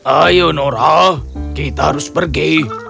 ayo nora kita harus pergi